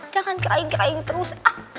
jangan kain kain terus